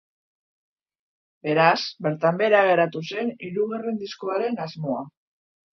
Beraz, bertan behera geratu zen hirugarren diskoaren asmoa.